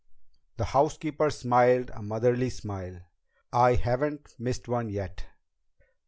The housekeeper smiled a motherly smile. "I haven't missed one yet."